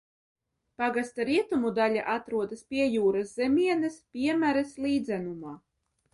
Pagasta rietumu daļa atrodas Piejūras zemienes Piemares līdzenumā.